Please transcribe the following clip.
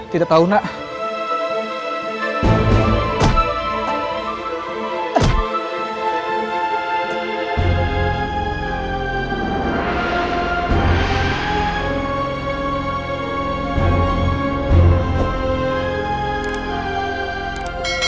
tidak tahu nak